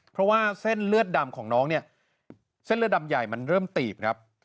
เพราะว่าเส้นเลือดดำของน้องเนี่ยเส้นเลือดดำใหญ่มันเริ่มตีบครับ